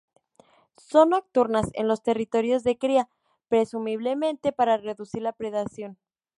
Son nocturnas en los territorios de cría, presumiblemente para reducir la predación.